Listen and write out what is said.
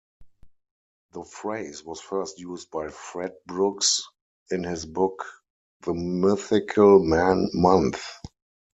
The phrase was first used by Fred Brooks in his book "The Mythical Man-Month".